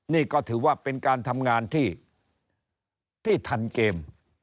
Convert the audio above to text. นี่ก็ถือว่าเป็นการทำงานที่ทันเกม